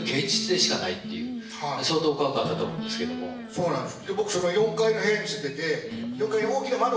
そうなんです。